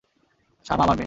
শামা আমার মেয়ে।